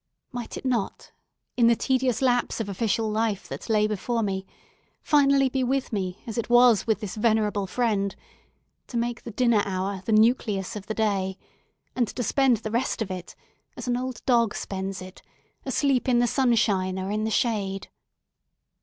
Might it not, in the tedious lapse of official life that lay before me, finally be with me as it was with this venerable friend—to make the dinner hour the nucleus of the day, and to spend the rest of it, as an old dog spends it, asleep in the sunshine or in the shade?